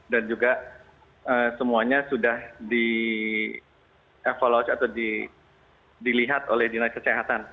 dan juga semuanya sudah di evaluate atau dilihat oleh dinas kesehatan